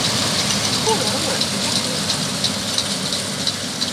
Ko, ellē, tas nozīmē?